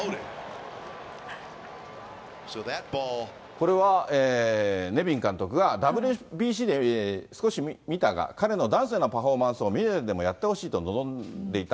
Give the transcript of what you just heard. これは、ネビン監督が、ＷＢＣで少し見たが、彼のダンスのようなパフォーマンスをメジャーでもやってほしいと望んでいた。